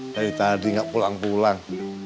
dari tadi nggak pulang pulang